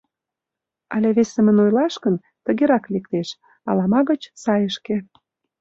Але вес семын ойлаш гын, тыгерак лектеш: алама гыч — сайышке.